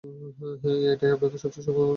এটাই আপনাকে সবচেয়ে সৌভাগ্যবান করে তুলেছে।